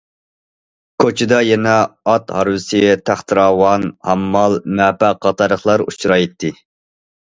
كوچىدا يەنە ئات ھارۋىسى، تەختىراۋان، ھاممال، مەپە قاتارلىقلار ئۇچرايتتى.